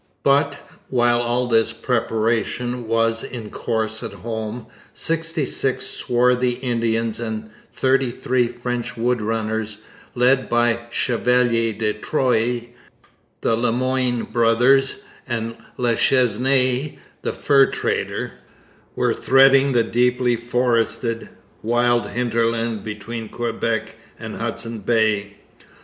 But, while all this preparation was in course at home, sixty six swarthy Indians and thirty three French wood runners, led by the Chevalier de Troyes, the Le Moyne brothers, and La Chesnaye, the fur trader, were threading the deeply forested, wild hinterland between Quebec and Hudson Bay.